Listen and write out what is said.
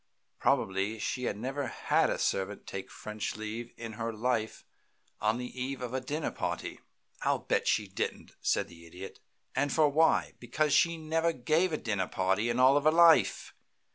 Probably she never had a servant take French leave in her life on the eve of a dinner party." "I'll bet she didn't," said the Idiot. "And for why? Because she never gave a dinner party in all her life.